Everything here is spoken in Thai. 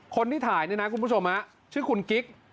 คนที่ถ่ายนี่นะคุณผู้ชมชื่อคุณกิ๊ก